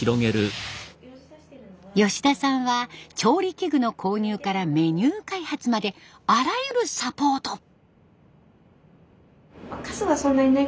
吉田さんは調理器具の購入からメニュー開発まであらゆるサポート。